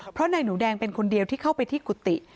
เพราะนายหนูแดงเป็นคนเดียวที่เข้าไปที่กุฏิ